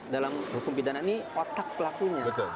dalam hukum pidana ini otak pelakunya